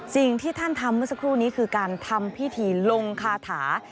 สิ่งที่ท่านทำเมื่อสักครู่นี้คือการทำพิธีลงคาถา